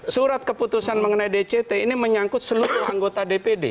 surat keputusan mengenai dct ini menyangkut seluruh anggota dpd